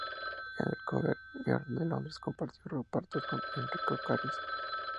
En el Covent Garden de Londres compartió repartos con Enrico Caruso.